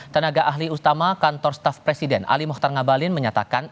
tenaga ahli utama kantor staff presiden ali mohtar ngabalin menyatakan